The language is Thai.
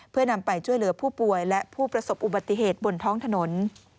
เพื่อนำไปช่วยเหลือผู้ป่วยและผู้ประสบอุบัติเหตุบนท้องถนน